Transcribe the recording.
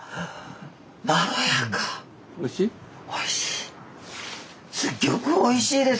おいしい？